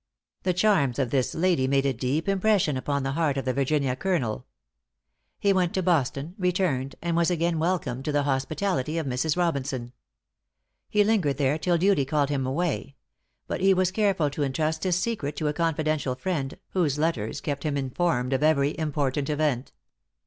The charms of this lady made a deep impression upon the heart of the Virginia Colonel. He went to Boston, returned, and was again welcomed to the hospitality of Mrs. Robinson. He lingered there till duty called him away; but he was careful to entrust his secret to a confidential friend, whose letters kept him informed of every important event.